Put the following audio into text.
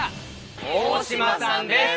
大島さんです。